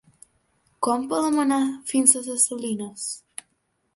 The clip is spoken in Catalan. Com podem anar fins a Ses Salines?